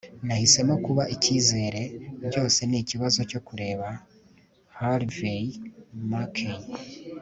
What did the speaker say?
nahisemo kuba icyizere. byose ni ikibazo cyo kureba. - harvey mackay